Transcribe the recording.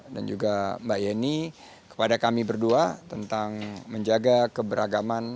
dan juga mbak yeni kepada kami berdua tentang menjaga keberagaman